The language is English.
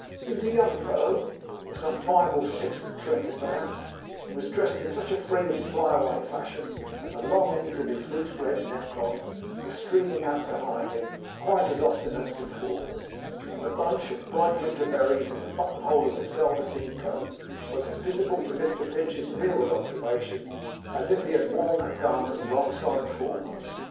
He was a young fellow, of some five or six and twenty perhaps, and was dressed in such a free and fly away fashion, that the long ends of his loose red neckcloth were streaming out behind him quite as often as before; and the bunch of bright winter berries in the buttonhole of his velveteen coat was as visible to Mr Pinch's rearward observation, as if he had worn that garment wrong side foremost.